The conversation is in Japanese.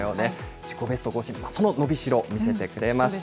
自己ベスト更新、その伸びしろ、見せてくれました。